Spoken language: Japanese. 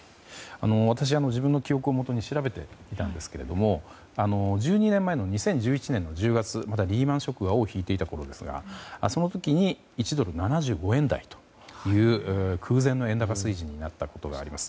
私、自分の記憶をもとに調べてみたんですが１２年前の２０１１年の１０月リーマン・ショックが尾を引いていたころですがその時に１ドル＝７５円台という空前の円高水準になったわけです。